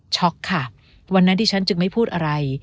ช็อกค่ะวันนั้นที่ฉันจึงไม่พูดอะไร